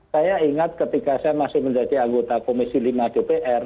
saya ingat ketika saya masih menjadi anggota komisi lima dpr